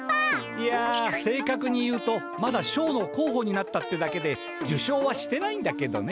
いや正かくに言うとまだ賞のこうほになったってだけで受賞はしてないんだけどね。